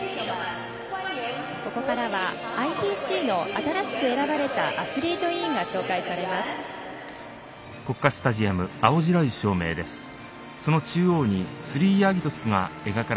ＩＰＣの新しく選ばれたアスリート委員が紹介されます。